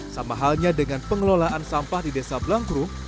sama halnya dengan pengelolaan sampah di desa blangkrum